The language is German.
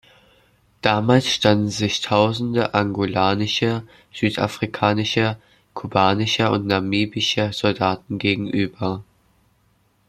Damals standen sich tausende angolanischer, südafrikanischer, kubanischer und namibischer Soldaten gegenüber.